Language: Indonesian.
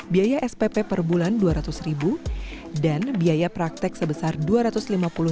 biaya spp per bulan dua ratus dan biaya praktek sebesar rp dua ratus lima puluh